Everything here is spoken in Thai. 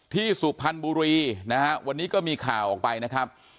สุพรรณบุรีนะฮะวันนี้ก็มีข่าวออกไปนะครับ